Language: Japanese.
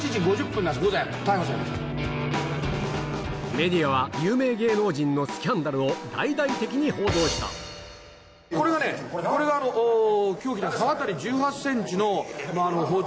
メディアは有名芸能人のスキャンダルを大々的に報道したこれが凶器です。